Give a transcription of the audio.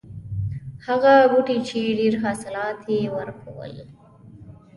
هغه بوټی چې ډېر حاصلات یې ورکول.